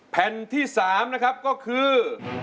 แผ่นที่๓นะครับก็คือ